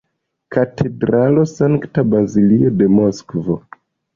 Katedralo Sankta Bazilio de Moskvo.